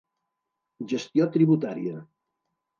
Gestió Tributària.